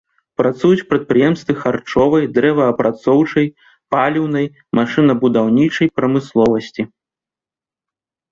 Працуюць прадпрыемствы харчовай, дрэваапрацоўчай, паліўнай, машынабудаўнічай прамысловасці.